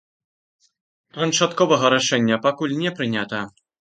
Канчатковага рашэння пакуль не прынята.